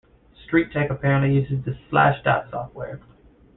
Street Tech apparently uses the Slashdot software.